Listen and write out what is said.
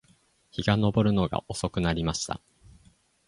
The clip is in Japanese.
日が登るのが遅くなりました